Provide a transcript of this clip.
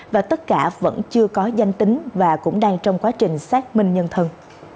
và tất cả vẫn chưa có danh tính và cũng đang trong quá trình xác minh nhân thân